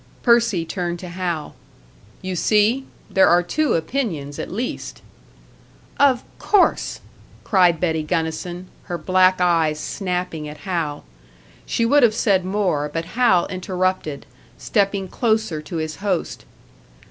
Percy turned to Hal. "You see! There are two opinions, at least!" "Of course!" cried Betty Gunnison, her black eyes snapping at Hal. She would have said more, but Hal interrupted, stepping closer to his host.